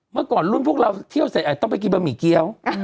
เมื่อก่อนรุ่นพวกเราเที่ยวเสร็จต้องไปกินบะหมี่เกี้ยว